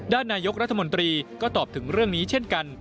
นายกรัฐมนตรีก็ตอบถึงเรื่องนี้เช่นกัน